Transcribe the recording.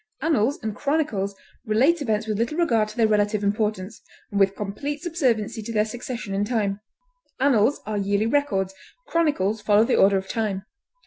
Annals and chronicles relate events with little regard to their relative importance, and with complete subserviency to their succession in time. Annals are yearly records; chronicles follow the order of time.